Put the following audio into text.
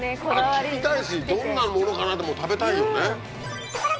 聞きたいしどんなものかなって食べたいよね。